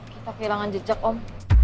kita kehilangan jejak om